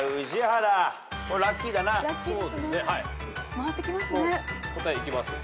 回ってきますね。